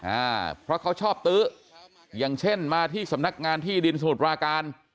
อ่าเพราะเขาชอบตื้ออย่างเช่นมาที่สำนักงานที่ดินสมุทรปราการ